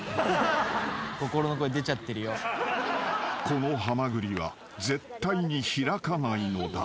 ［このハマグリは絶対に開かないのだ］